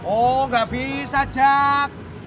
oh gak bisa jack